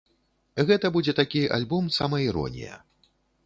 Гэта будзе такі альбом-самаіронія.